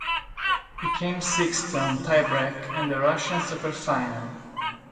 He came sixth on tiebreak at the Russian Superfinal.